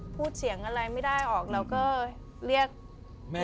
พูดเสียงอะไรไม่ได้ออกเราก็เรียกแม่